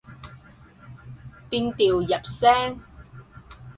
變調入聲